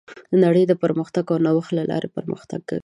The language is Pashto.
نړۍ د پرمختګ او نوښت له لارې پرمختګ کوي.